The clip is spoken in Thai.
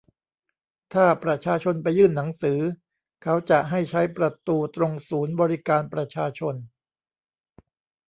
ถ้าประชาชนไปยื่นหนังสือ เขาจะให้ใช้ประตูตรงศูนย์บริการประชาชน